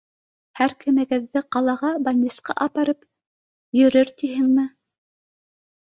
Һәр кемегеҙҙе ҡалаға балнисҡа апарып йөрөр тиһеңме?!